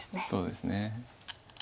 そうですね。